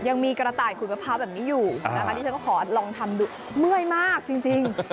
ยังมีกระต่ายขุดมะพร้าวแบบนี้อยู่นะคะนี่ฉันก็ขอลองทำดูเมื่อยมากจริง